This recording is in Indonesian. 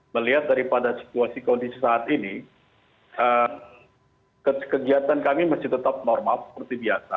melihat daripada situasi kondisi saat ini kegiatan kami masih tetap normal seperti biasa